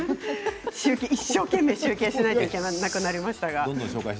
一生懸命、集計しないといけなくなりました。